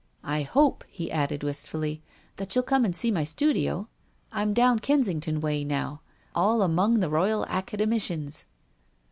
I hope," he added wistfully, "that you'll come and see my studio. I'm down Kensington way now — all among the Royal Academicians."